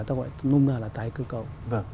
ta gọi là tài cư cầu